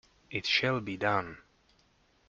It shall be done!